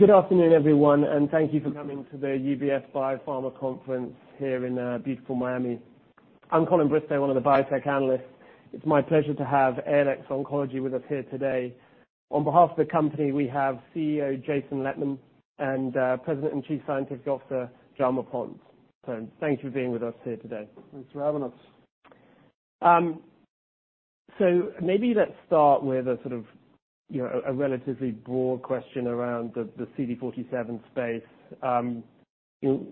Good afternoon, everyone, and thank you for coming to the UBS Biopharma Conference here in beautiful Miami. I'm Colin Bristow, one of the biotech analysts. It's my pleasure to have ALX Oncology with us here today. On behalf of the company, we have CEO Jason Lettmann and President and Chief Scientific Officer Jaume Pons. So thank you for being with us here today. Thanks for having us. So maybe let's start with a sort of, you know, a relatively broad question around the, the CD47 space. You know,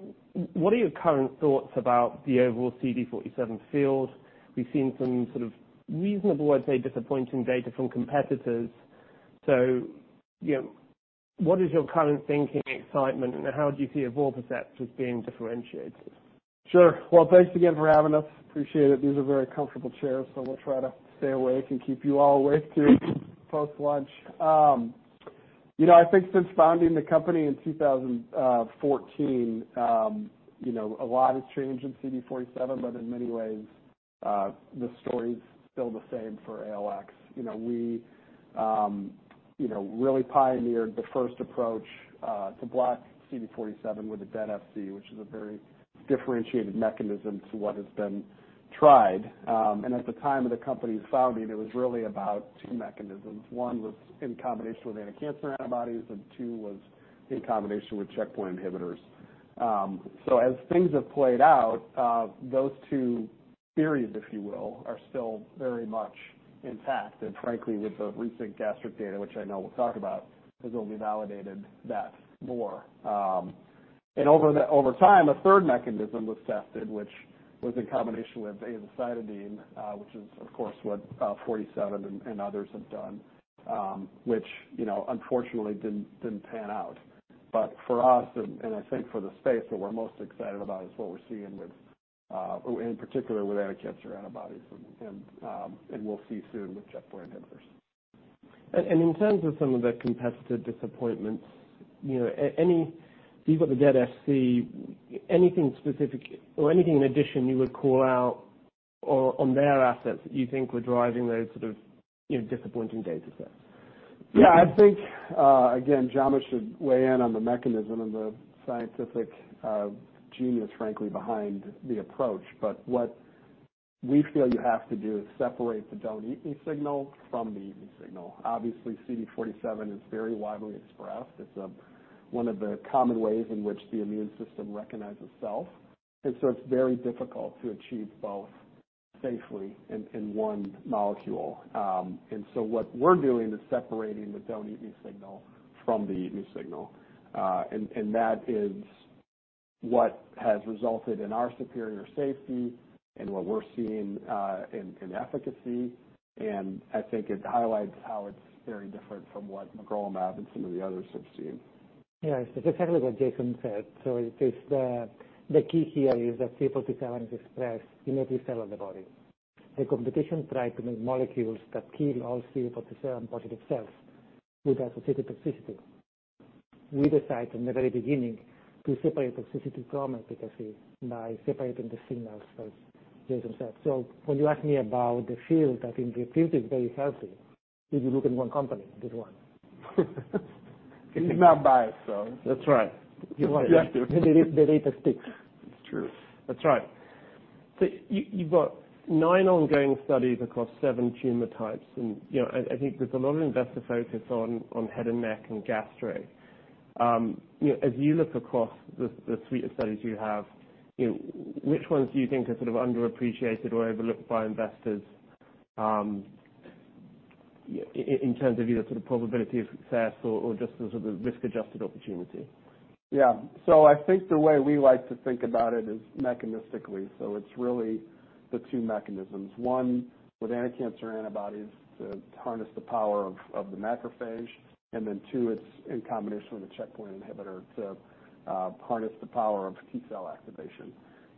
what are your current thoughts about the overall CD47 field? We've seen some sort of reasonable, I'd say, disappointing data from competitors. So, you know, what is your current thinking, excitement, and how do you see evorpacept as being differentiated? Sure. Well, thanks again for having us. Appreciate it. These are very comfortable chairs, so we'll try to stay awake and keep you all awake through post-lunch. You know, I think since founding the company in 2014, you know, a lot has changed in CD47, but in many ways, the story's still the same for ALX. You know, we, you know, really pioneered the first approach to block CD47 with a dead Fc, which is a very differentiated mechanism to what has been tried. And at the time of the company's founding, it was really about two mechanisms. One was in combination with anti-cancer antibodies, and two was in combination with checkpoint inhibitors. So as things have played out, those two theories, if you will, are still very much intact, and frankly, with the recent gastric data, which I know we'll talk about, has only validated that more. And over the, over time, a third mechanism was tested, which was in combination with azacitidine, which is, of course, what, 47 and others have done, which, you know, unfortunately didn't pan out. But for us and I think for the space, what we're most excited about is what we're seeing with, in particular with anti-cancer antibodies, and we'll see soon with checkpoint inhibitors. In terms of some of the competitive disappointments, you know, any you've got the dead Fc, anything specific or anything in addition you would call out or on their assets that you think were driving those sort of, you know, disappointing data sets? Yeah, I think, again, Jaume should weigh in on the mechanism and the scientific, genius, frankly, behind the approach. But what we feel you have to do is separate the don't eat me signal from the eat me signal. Obviously, CD47 is very widely expressed. It's one of the common ways in which the immune system recognizes self, and so it's very difficult to achieve both safely in one molecule. And so what we're doing is separating the don't eat me signal from the eat me signal. And that is what has resulted in our superior safety and what we're seeing in efficacy, and I think it highlights how it's very different from what magrolimab and some of the others have seen. Yeah, so exactly what Jason said. So it is the key here is that CD47 is expressed in every cell of the body. The competition tried to make molecules that kill all CD47-positive cells, with associated toxicity. We decide from the very beginning to separate toxicity from efficacy by separating the signals, as Jason said. So when you ask me about the field, I think the field is very healthy. If you look at one company, this one. He's not biased, so. That's right. He's objective. The data speaks. It's true. That's right. So you've got 9 ongoing studies across 7 tumor types, and, you know, I think there's a lot of investor focus on head and neck and gastric. You know, as you look across the suite of studies you have, you know, which ones do you think are sort of underappreciated or overlooked by investors, in terms of either sort of probability of success or just the sort of risk-adjusted opportunity? Yeah. So I think the way we like to think about it is mechanistically, so it's really the two mechanisms. One, with anti-cancer antibodies, to harness the power of the macrophage, and then two, it's in combination with a checkpoint inhibitor to harness the power of T-cell activation.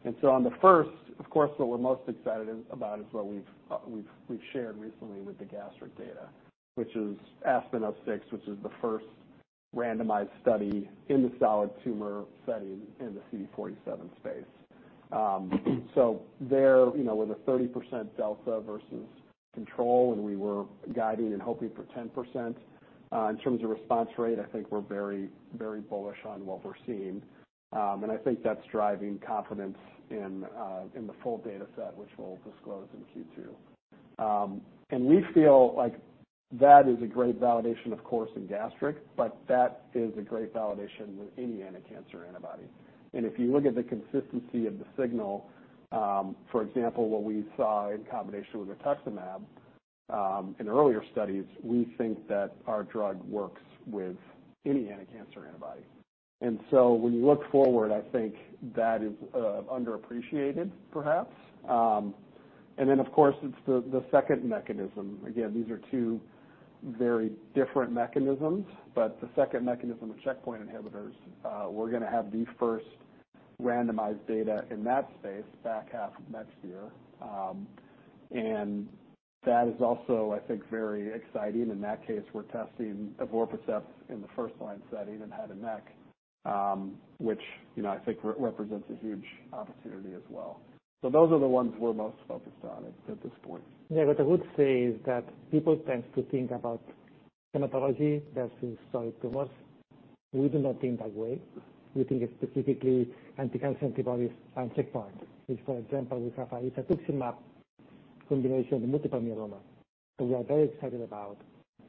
And so on the first, of course, what we're most excited about is what we've shared recently with the gastric data, which is ASPEN-06, which is the first randomized study in the solid tumor setting in the CD47 space. So there, you know, with a 30% delta versus control, and we were guiding and hoping for 10%, in terms of response rate, I think we're very, very bullish on what we're seeing. I think that's driving confidence in the full data set, which we'll disclose in Q2. We feel like that is a great validation, of course, in gastric, but that is a great validation with any anti-cancer antibody. If you look at the consistency of the signal, for example, what we saw in combination with atezolizumab in earlier studies, we think that our drug works with any anti-cancer antibody. So when you look forward, I think that is underappreciated, perhaps. Then, of course, it's the second mechanism. Again, these are two very different mechanisms, but the second mechanism of checkpoint inhibitors, we're gonna have the first randomized data in that space back half of next year. That is also, I think, very exciting. In that case, we're testing evorpacept in the first-line setting in head and neck, which, you know, I think represents a huge opportunity as well. So those are the ones we're most focused on at this point. Yeah, what I would say is that people tend to think about hematology versus solid tumors. We do not think that way. We think it's specifically anticancer antibodies and checkpoint, which, for example, we have isatuximab combination with multiple myeloma, that we are very excited about.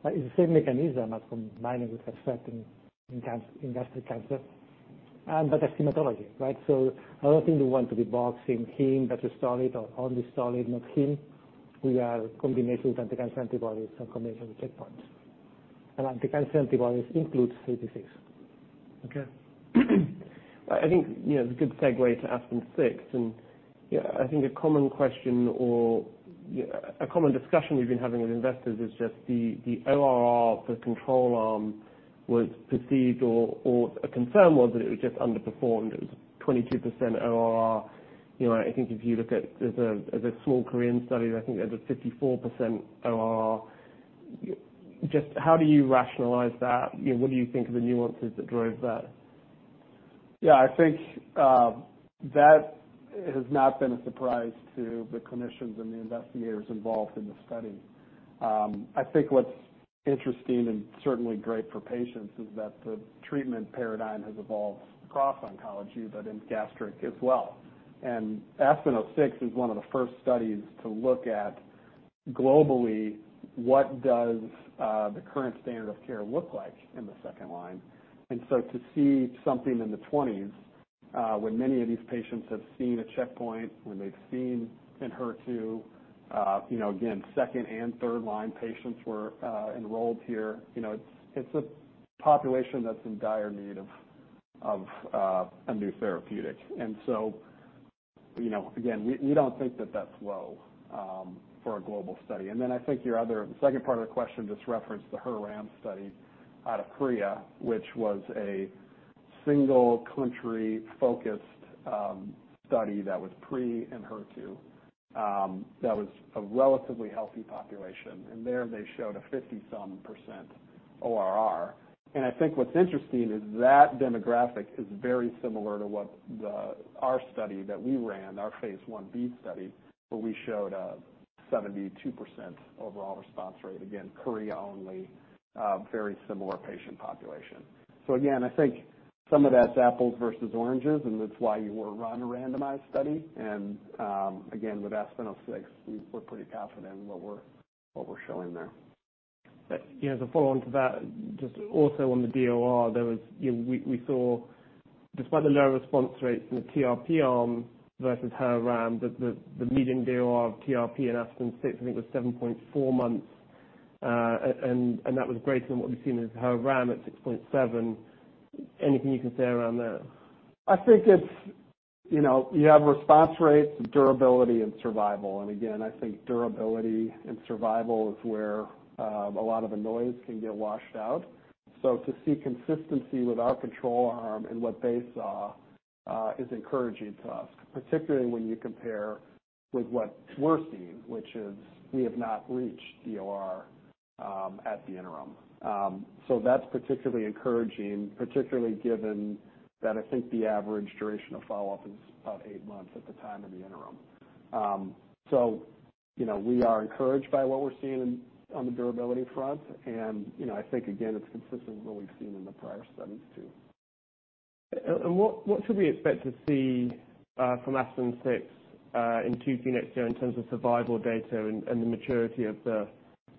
But it's the same mechanism as combining with Herceptin in cancer, in gastric cancer and, but that's hematology, right? So, I don't think we want to be boxing hematology versus solid or only solid, not hematology. We are combination with anticancer antibodies and combination with checkpoints. And anticancer antibodies include CD47. Okay. I think, you know, it's a good segue to ASPEN-06. Yeah, I think a common question or, yeah, a common discussion we've been having with investors is just the ORR for the control arm was perceived or a concern was that it was just underperformed. It was 22% ORR. You know, I think if you look at, there's a small Korean study. I think there's a 54% ORR. Just how do you rationalize that? You know, what do you think are the nuances that drove that? Yeah, I think that has not been a surprise to the clinicians and the investigators involved in the study. I think what's interesting and certainly great for patients is that the treatment paradigm has evolved across oncology, but in gastric as well. And ASPEN-06 is one of the first studies to look at globally, what does the current standard of care look like in the second line? And so to see something in the 20s, when many of these patients have seen a checkpoint, when they've seen Enhertu, you know, again, second- and third-line patients were enrolled here. You know, it's a population that's in dire need of a new therapeutic. And so, you know, again, we don't think that that's low for a global study. And then I think your other, the second part of the question just referenced the HER-RAM study out of Korea, which was a single country-focused study that was pre Enhertu, that was a relatively healthy population, and there they showed a 50-some% ORR. And I think what's interesting is that demographic is very similar to what the, our study that we ran, our phase 1b study, where we showed a 72% overall response rate. Again, Korea only, very similar patient population. So again, I think some of that's apples versus oranges, and that's why we're running a randomized study. And, again, with ASPEN-06, we're pretty confident in what we're showing there. But, you know, to follow on to that, just also on the DOR, there was, you know, we saw despite the lower response rates in the TRP arm versus HER-RAM, the median DOR of TRP in Aspen-06, I think, was 7.4 months. And that was greater than what we've seen in HER-RAM at 6.7. Anything you can say around that? I think it's, you know, you have response rates, durability and survival, and again, I think durability and survival is where, a lot of the noise can get washed out. So to see consistency with our control arm and what they saw, is encouraging to us, particularly when you compare with what we're seeing, which is we have not reached DOR, at the interim. So that's particularly encouraging, particularly given that I think the average duration of follow-up is about eight months at the time of the interim. So, you know, we are encouraged by what we're seeing in, on the durability front. And, you know, I think, again, it's consistent with what we've seen in the prior studies, too. What should we expect to see from ASPEN-06 in Q3 next year in terms of survival data and the maturity of the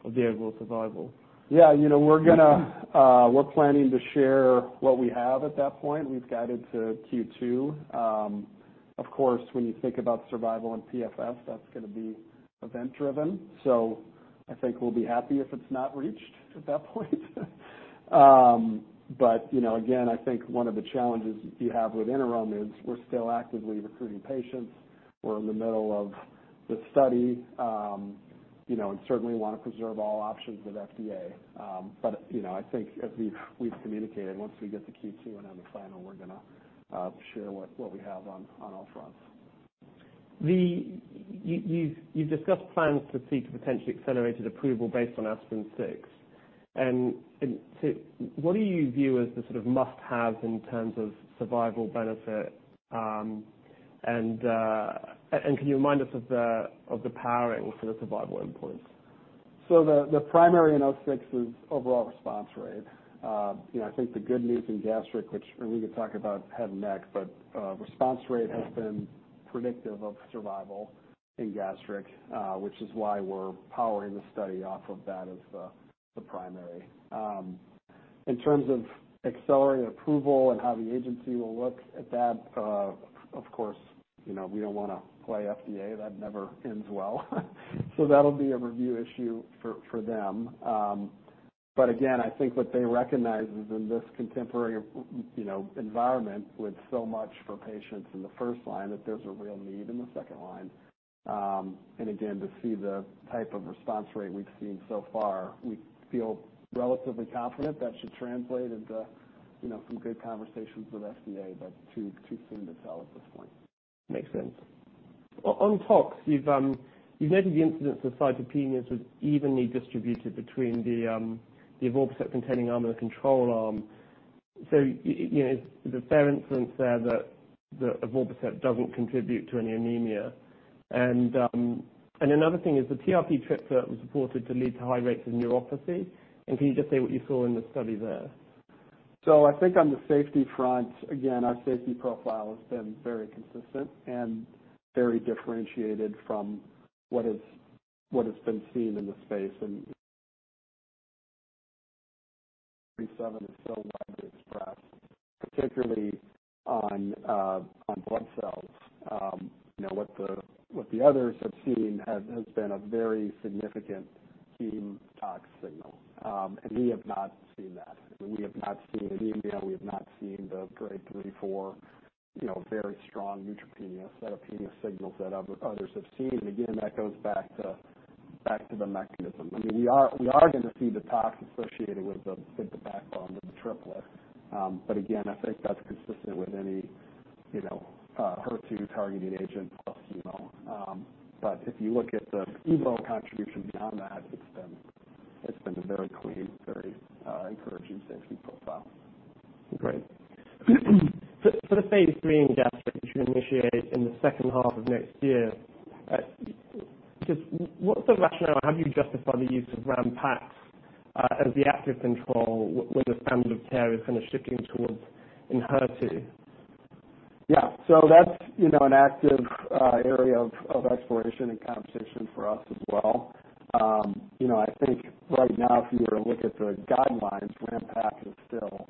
overall survival? Yeah, you know, we're gonna, we're planning to share what we have at that point. We've guided to Q2. Of course, when you think about survival and PFS, that's gonna be event driven, so I think we'll be happy if it's not reached at that point. But you know, again, I think one of the challenges you have with interim is we're still actively recruiting patients. We're in the middle of the study, you know, and certainly want to preserve all options with FDA. But, you know, I think as we've communicated, once we get to Q2 and on the final, we're gonna share what we have on all fronts. You've discussed plans to seek a potentially accelerated approval based on ASPEN-06. And to what do you view as the sort of must-haves in terms of survival benefit? And can you remind us of the powering for the survival endpoint? So the primary ASPEN-06 is overall response rate. You know, I think the good news in gastric, which, and we could talk about head and neck, but response rate has been predictive of survival in gastric, which is why we're powering the study off of that as the primary. In terms of accelerated approval and how the agency will look at that, of course, you know, we don't want to play FDA. That never ends well, so that'll be a review issue for them. But again, I think what they recognize is in this contemporary, you know, environment, with so much for patients in the first line, that there's a real need in the second line. Again, to see the type of response rate we've seen so far, we feel relatively confident that should translate into, you know, some good conversations with FDA, but too, too soon to tell at this point. Makes sense. On tox, you've noted the incidence of cytopenias was evenly distributed between the, the evorpacept containing arm and the control arm. So you know, is it a fair inference there that evorpacept doesn't contribute to any anemia? And another thing is the TRP triplet was reported to lead to high rates of neuropathy. And can you just say what you saw in the study there? So I think on the safety front, again, our safety profile has been very consistent and very differentiated from what has been seen in the space. And CD47 is so widely expressed, particularly on blood cells. You know, what the others have seen has been a very significant heme tox signal. And we have not seen that. We have not seen anemia, we have not seen the grade 3, 4, you know, very strong neutropenia, cytopenia signals that others have seen. Again, that goes back to the mechanism. I mean, we are going to see the tox associated with the backbone of the triplet. But again, I think that's consistent with any, you know, HER2-targeting agent plus chemo. But if you look at the evorpacept contribution beyond that, it's been a very clean, very encouraging safety profile. Great. So, the phase 3 engagement you initiate in the second half of next year, just what's the rationale? How do you justify the use of ramucirumab, as the active control when the standard of care is kind of shifting towards Enhertu? Yeah. So that's, you know, an active area of exploration and conversation for us as well. You know, I think right now, if you were to look at the guidelines, ramucirumab is still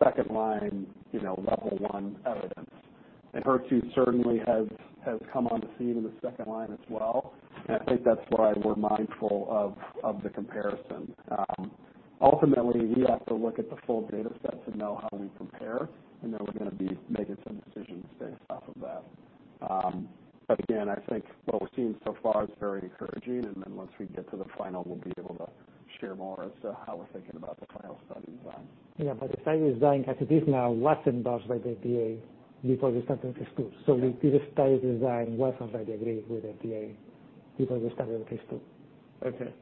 second line, you know, level one evidence. And HER2 certainly has come on the scene in the second line as well, and I think that's why we're mindful of the comparison. Ultimately, we have to look at the full data set to know how we compare, and then we're going to be making some decisions based off of that. But again, I think what we're seeing so far is very encouraging, and then once we get to the final, we'll be able to share more as to how we're thinking about the final study design. Yeah, but the study design as it is now, was endorsed by the FDA before we started the phase 2. Yeah. The study design was already agreed with FDA before we started the phase 2. Okay.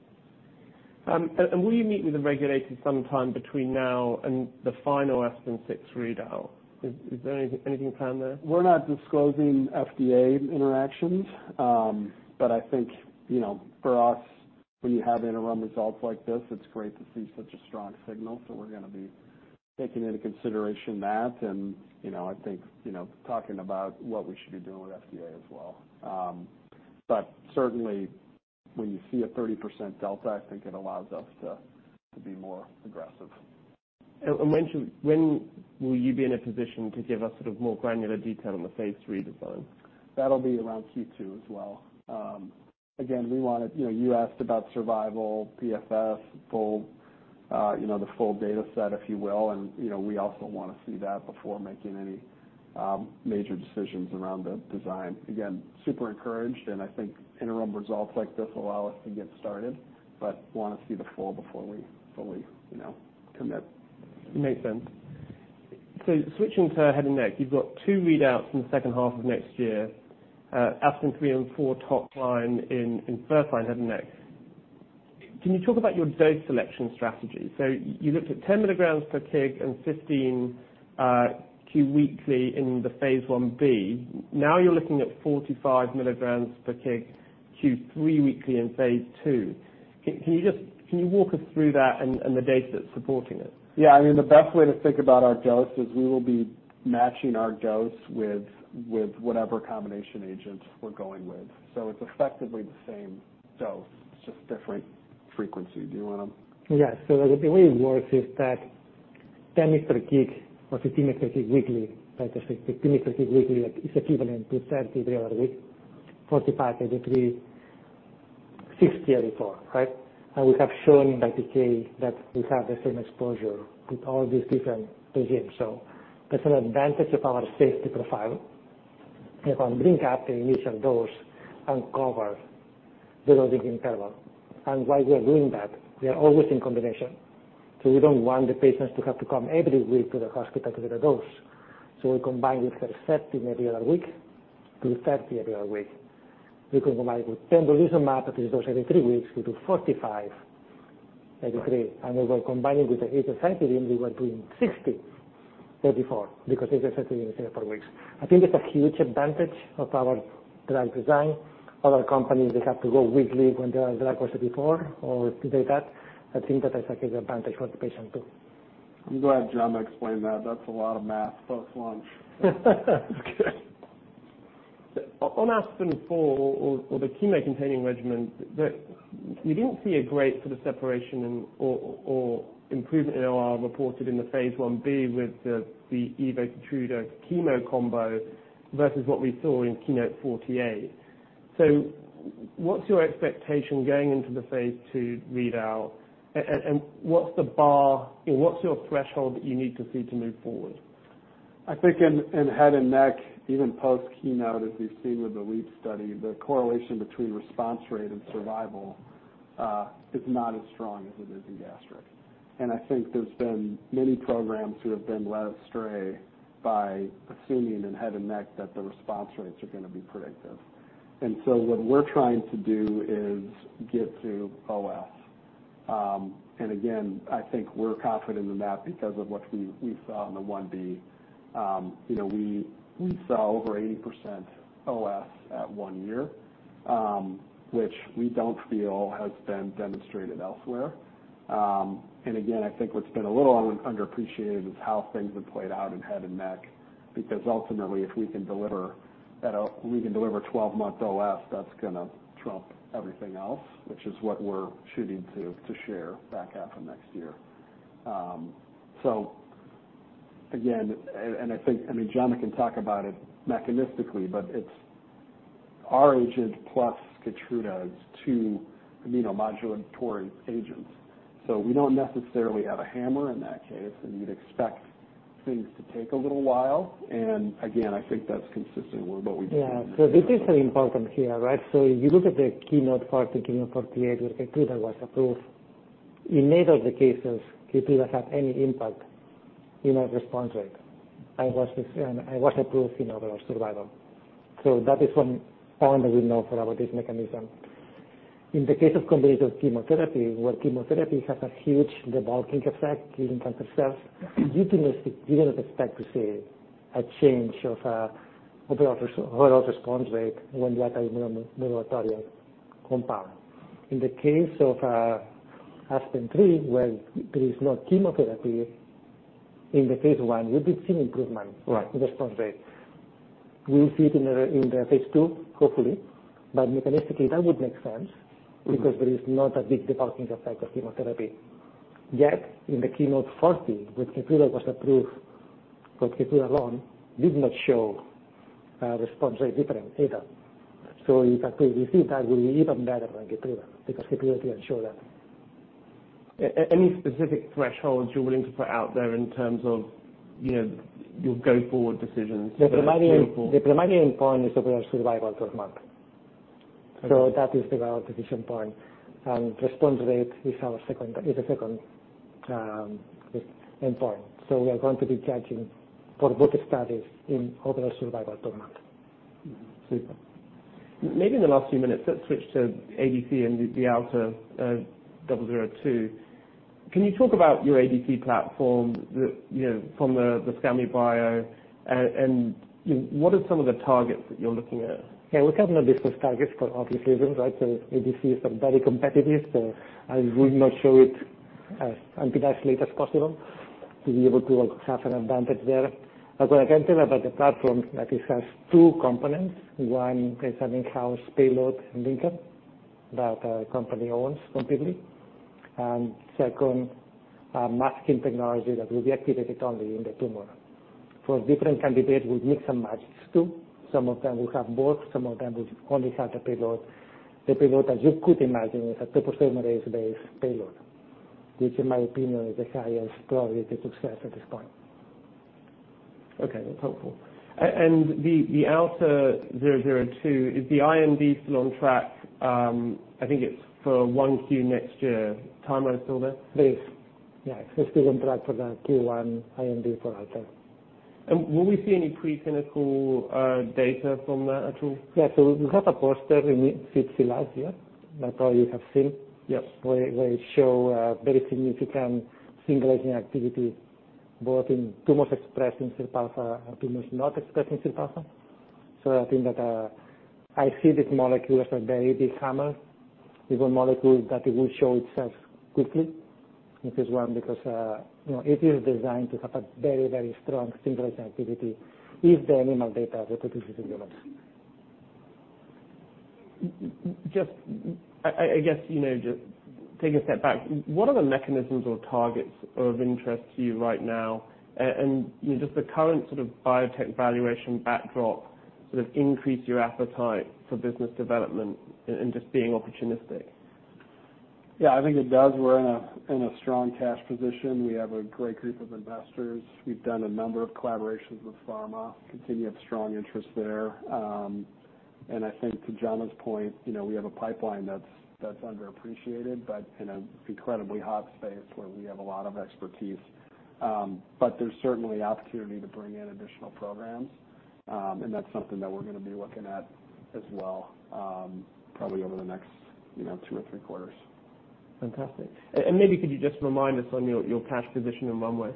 And will you meet with the regulators sometime between now and the final ASPEN-06 readout? Is there anything planned there? We're not disclosing FDA interactions. But I think, you know, for us, when you have interim results like this, it's great to see such a strong signal. So we're going to be taking into consideration that and, you know, I think, you know, talking about what we should be doing with FDA as well. But certainly, when you see a 30% delta, I think it allows us to be more aggressive. When will you be in a position to give us sort of more granular detail on the phase three design? That'll be around Q2 as well. Again, we wanted... You know, you asked about survival, PFS, full, you know, the full data set, if you will. And, you know, we also want to see that before making any, major decisions around the design. Again, super encouraged, and I think interim results like this allow us to get started, but want to see the full before we, you know, commit. Makes sense. So switching to head and neck, you've got two readouts in the second half of next year, ASPEN-03 and ASPEN-0 4 top line in first line head and neck. Can you talk about your dose selection strategy? So you looked at 10 milligrams per kg and 15, Q weekly in the phase 1b. Now you're looking at 45 milligrams per kg, Q3 weekly in phase 2. Can you walk us through that and the data that's supporting it? Yeah, I mean, the best way to think about our dose is we will be matching our dose with, with whatever combination agent we're going with. So it's effectively the same dose, it's just different frequency. Do you want to? Yeah. So the way it works is that 10 mg per kg or 15 mg per kg weekly, right? So 15 mg weekly is equivalent to 30 every other week, 45 every three, 60 every four, right? And we have shown in PK that we have the same exposure with all these different regimens. So that's an advantage of our safety profile. And from bringing up the initial dose and cover the loading interval. And while we are doing that, we are always in combination. So we don't want the patients to have to come every week to the hospital to get a dose. So we combine with Herceptin every other week, to 30 every other week. We combine with pembrolizumab, which is dose every three weeks, we do 45, every three. When we're combining with the atezolizumab, we were doing 60, 34, because it's essentially in four weeks. I think that's a huge advantage of our drug design. Other companies, they have to go weekly when their drug was 34, or to say that, I think that is advantage for the patient too. I'm glad Jaume explained that. That's a lot of math post-lunch. Okay. On ASPEN-04 or the chemo-containing regimen, you didn't see a great sort of separation and or improvement in OR reported in the phase 1b with the evo Keytruda chemo combo, versus what we saw in KEYNOTE-040. So what's your expectation going into the phase 2 readout? And what's the bar, or what's your threshold that you need to see to move forward? I think in head and neck, even post keynote, as we've seen with the lead study, the correlation between response rate and survival is not as strong as it is in gastric. And I think there's been many programs who have been led astray by assuming in head and neck that the response rates are going to be predictive. And so what we're trying to do is get to OS. And again, I think we're confident in that because of what we saw in the 1B. You know, we saw over 80% OS at one year, which we don't feel has been demonstrated elsewhere. And again, I think what's been a little underappreciated is how things have played out in head and neck, because ultimately, if we can deliver 12-month OS, that's going to trump everything else, which is what we're shooting to share back half of next year. So again, and I think, I mean, Jaume can talk about it mechanistically, but it's our agent plus Keytruda's two immunomodulatory agents. So we don't necessarily have a hammer in that case, and you'd expect things to take a little while. And again, I think that's consistent with what we do. Yeah, so this is important here, right? So if you look at the KEYNOTE-040, KEYNOTE-048, where KEYTRUDA was approved, in neither of the cases, KEYTRUDA had any impact in our response rate, and it was approved in overall survival. So that is one point that we know for about this mechanism. In the case of combined chemotherapy, where chemotherapy has a huge debulking effect in cancer cells, we didn't expect to see a change of overall response rate when we have an immunomodulatory compound. In the case of ASPEN-03, where there is no chemotherapy in the phase 1, we did see improvement- Right. in the response rate. We'll see it in the phase two, hopefully, but mechanistically, that would make sense. Mm-hmm. Because there is not a big debulking effect of chemotherapy. Yet, in the KEYNOTE-040, when KEYTRUDA was approved, for KEYTRUDA alone, did not show, response rate difference either. So you can see that we're even better than KEYTRUDA, because KEYTRUDA didn't show that. Any specific thresholds you're willing to put out there in terms of, you know, your go-forward decisions? The primary endpoint is overall survival per month. Okay. That is the well decision point, and response rate is our second endpoint. We are going to be judging for both studies in overall survival per month. Mm-hmm. Maybe in the last few minutes, let's switch to ADC and the ALTA-002. Can you talk about your ADC platform that, you know, from the ScalmiBio? And what are some of the targets that you're looking at? Yeah, we're talking about business targets for obvious reasons, right? So ADC is very competitive, so I would not show it as factually as possible to be able to have an advantage there. But what I can tell you about the platform, that it has two components. One is an in-house payload linker that our company owns completely. And second, a masking technology that will be activated only in the tumor. For different candidates, we mix and match too. Some of them will have both, some of them will only have the payload. The payload, as you could imagine, is a topoisomerase-based payload, which in my opinion, is the highest priority to success at this point. Okay, that's helpful. And the ALTA-002, is the IND still on track? I think it's for 1Q next year timeline still there? It is. Yeah, it's still on track for the Q1 IND for ALTA. Will we see any preclinical data from that at all? Yeah, so we have a poster in fact the last year that all you have seen. Yes. Where it show very significant synchronizing activity, both in tumors expressing SIRPα and tumors not expressing SIRPα. So I think that, I see this molecule as a very big hammer, is a molecule that it will show itself quickly. This is one, because, you know, it is designed to have a very, very strong synchronizing activity if the animal data reproduces in humans. Just, I guess, you know, just taking a step back, what are the mechanisms or targets of interest to you right now? And, you know, just the current sort of biotech valuation backdrop, sort of increase your appetite for business development and just being opportunistic. Yeah, I think it does. We're in a strong cash position. We have a great group of investors. We've done a number of collaborations with pharma, continue to have strong interest there. And I think to Jaume's point, you know, we have a pipeline that's underappreciated, but in an incredibly hot space where we have a lot of expertise. But there's certainly opportunity to bring in additional programs, and that's something that we're going to be looking at as well, probably over the next, you know, two or three quarters. Fantastic. And maybe could you just remind us on your cash position in ALXO?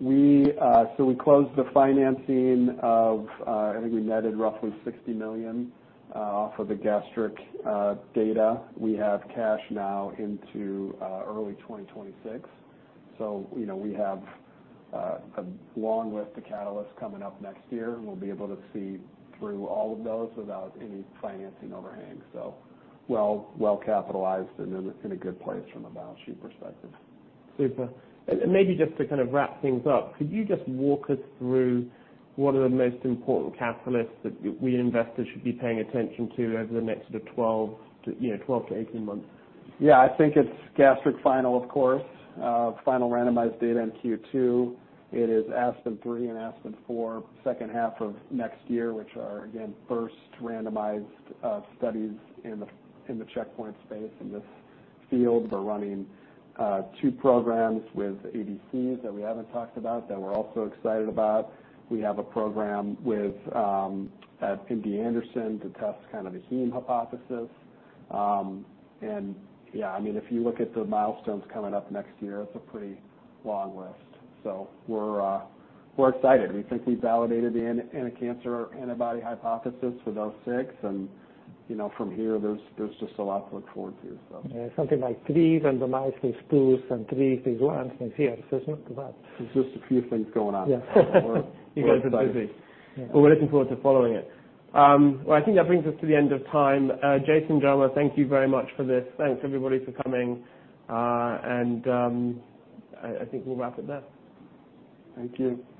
We, so we closed the financing of, I think we netted roughly $60 million off of the gastric data. We have cash now into early 2026. So, you know, we have a long list of catalysts coming up next year, and we'll be able to see through all of those without any financing overhang. So well, well-capitalized and in, in a good place from a balance sheet perspective. Super. And maybe just to kind of wrap things up, could you just walk us through what are the most important catalysts that we investors should be paying attention to over the next sort of 12 to, you know, 12 to 18 months? Yeah. I think it's ASPEN-06 final, of course, final randomized data in Q2. It is ASPEN-03 and ASPEN-04, second half of next year, which are again, first randomized studies in the checkpoint space in this field. We're running two programs with ADCs that we haven't talked about, that we're also excited about. We have a program with at MD Anderson to test kind of the heme hypothesis. And yeah, I mean, if you look at the milestones coming up next year, it's a pretty long list. So we're excited. We think we validated the anti-cancer antibody hypothesis with 06, and, you know, from here, there's just a lot to look forward to, so. Yeah, something like 3 randomized and 2s and 3s, and 1s here, so it's not too bad. There's just a few things going on. Yeah. We're- You guys are busy. Yeah. Well, we're looking forward to following it. Well, I think that brings us to the end of time. Jason, Jaume, thank you very much for this. Thanks, everybody, for coming. I think we'll wrap it there. Thank you.